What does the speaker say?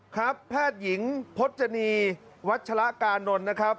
ครับแพทย์หญิงพจณีวัชฌากาณฑ์นนะครับ